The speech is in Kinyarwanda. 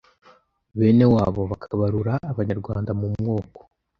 bene wabo bakabarura abanyarwanda mu moko